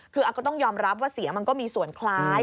คือก็ต้องยอมรับว่าเสียงมันก็มีส่วนคล้าย